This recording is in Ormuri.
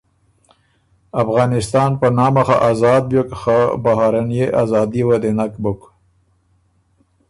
افغانستان په نامه خه آزاد بیوک خه بهرینيې ازادي وه دې نک بُک